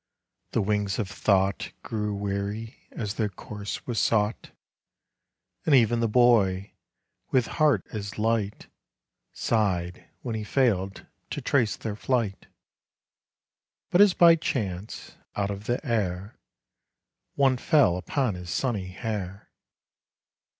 The wings of thought Grew weary as their course was sought, And e'en the boy, with heart as light, Sighed when he failed to trace their flight; But as by chance, out of the air, One fell upon his sunny hair.